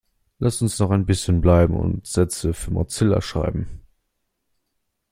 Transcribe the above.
Lasst uns noch ein bisschen bleiben und Sätze für Mozilla schreiben.